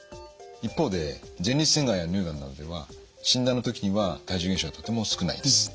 一方で前立腺がんや乳がんなどでは診断の時には体重減少はとても少ないです。